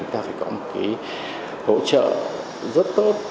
và cái hỗ trợ rất tốt